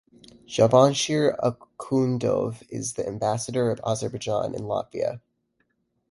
Javanshir Akhundov is the Ambassador of Azerbaijan in Latvia.